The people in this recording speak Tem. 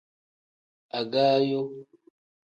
Agaayo.